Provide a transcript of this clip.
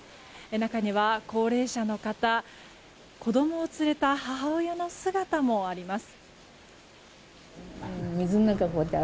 中には高齢者の方子供を連れた母親の姿もあります。